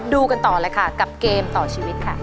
ดูกันต่อเลยค่ะกับเกมต่อชีวิตค่ะ